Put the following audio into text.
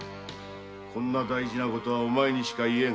こんな大事なことはお前にしか言えん。